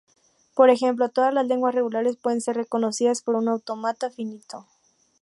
Por ejemplo, todas las lenguas regulares pueden ser reconocidas por un autómata finito.